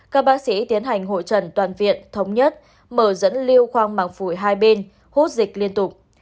các bác sĩ tiến hành hội trần toàn viện thống nhất mở dẫn liêu khoang màng phổi hai bên hút dịch liên tục